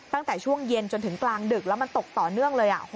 ตั้งแต่ช่วงเย็นจนถึงกลางดึกแล้วมันตกต่อเนื่องเลย